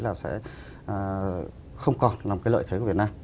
là sẽ không còn là một cái lợi thế của việt nam